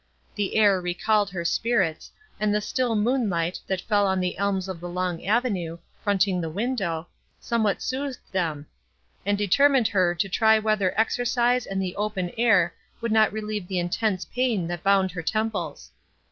The air recalled her spirits, and the still moonlight, that fell upon the elms of a long avenue, fronting the window, somewhat soothed them, and determined her to try whether exercise and the open air would not relieve the intense pain that bound her temples.